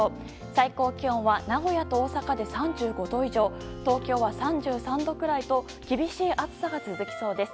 最高気温は名古屋と大阪で３５度以上東京は３３度くらいと厳しい暑さが続きそうです。